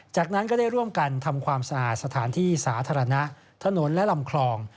จากนั้นก็ได้ร่วมกันทำความสะอาดสถานที่สาธารณะถนนและลำคลอง